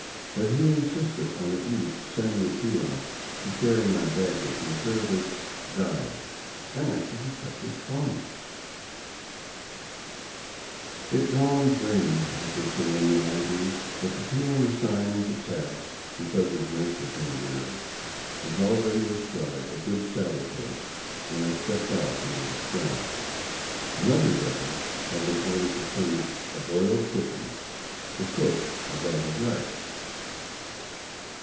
But he insisted on at least sending a peon to carry my baggage and to serve as " guide," and actually kept his promise !" It dawned raining," as they say in the Andes, but the peon assigned the task, because his rent was in arrears, was already astride a good saddle horse when I stepped out into the storm. Another debtor had been ordered to furnish a boiled chicken, the cook, a bag of rice.